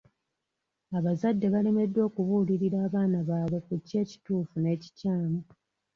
Abazadde balemeddwa okubuulirira abaana baabwe ku kiki ekituufu n'ekikyamu.